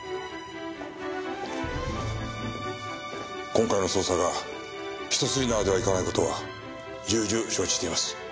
今回の捜査がひと筋縄ではいかない事は重々承知しています。